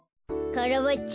カラバッチョ